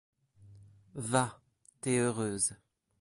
Va, t'es heureuse.